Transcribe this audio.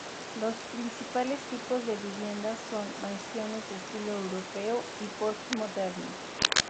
Los principales tipos de vivienda son mansiones de estilo europeo y postmoderno.